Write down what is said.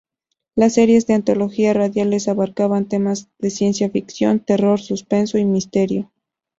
Las series de antología radiales abarcaban temas de ciencia ficción, terror, suspenso y misterio.